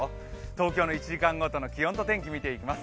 東京の１時間ごとの気温と天気を見ていきます。